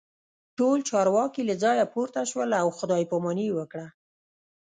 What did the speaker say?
ټول چارواکي له ځایه پورته شول او خداي پاماني یې وکړه